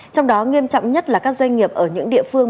trong đó nghiêm trọng nhất là các doanh nghiệp ở những địa phương